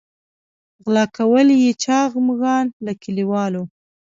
غلا کول یې چاغ مږان له کلیوالو.